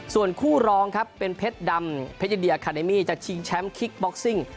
ส่วนคู่รองครับเป็นเพชรดำเพชรเดียคาเดมี่จะชิงแชมป์คิกบ็อกซิ่ง